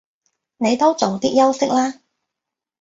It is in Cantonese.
你都早啲休息啦